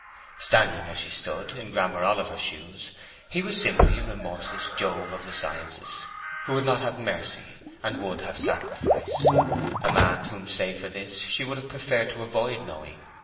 Standing as she stood, in Grammer Oliver's shoes, he was simply a remorseless Jove of the sciences, who would not have mercy, and would have sacrifice; a man whom, save for this, she would have preferred to avoid knowing.